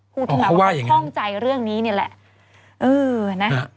พูดถึงมาว่าเขาค่องใจเรื่องนี้นี่แหละ